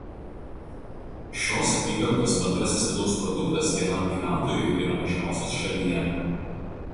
Šios apygardos bendrasis vidaus produktas vienam gyventojui yra mažiausias šalyje.